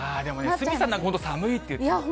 鷲見さんなんか、本当、寒いって言って。